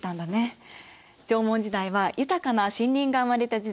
縄文時代は豊かな森林が生まれた時代。